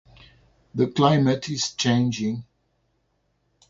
The climate is changing.